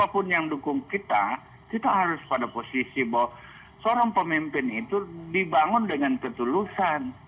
siapapun yang dukung kita kita harus pada posisi bahwa seorang pemimpin itu dibangun dengan ketulusan